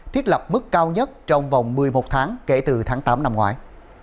thiết lập mức cao nhất trong vòng một mươi một tháng kể từ tháng tám năm ngoái